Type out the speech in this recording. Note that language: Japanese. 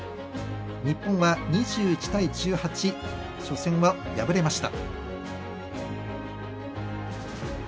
日本は２１対１８初戦は敗れました。